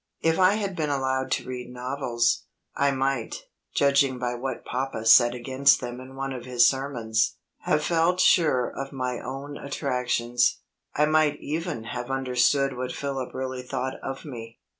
If I had been allowed to read novels, I might (judging by what papa said against them in one of his sermons) have felt sure of my own attractions; I might even have understood what Philip really thought of me.